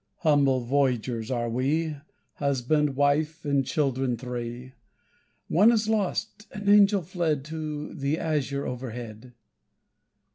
Humble voyagers are we, Husband, wife, and children three (One is lost an angel, fled To the azure overhead!)